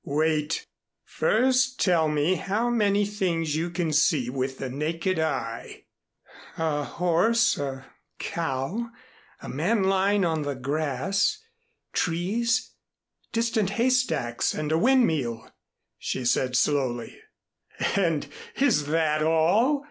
"Wait, first tell me how many things you can see with the naked eye." "A horse, a cow, a man lying on the grass, trees, distant haystacks and a windmill," she said slowly. "And is that all?"